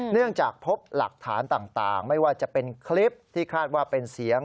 เนื่องจากพบหลักฐานต่างไม่ว่าจะเป็นคลิปที่คาดว่าเป็นเสียง